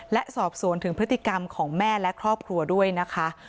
และสอบสวนถึงพฤติกรรมของแม่และครอบครัวด้วยนะคะ